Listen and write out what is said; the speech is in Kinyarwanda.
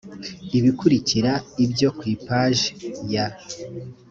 ibikurikira ibyo ku ipaji ya